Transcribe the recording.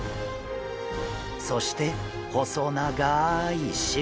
そして細長い尻尾！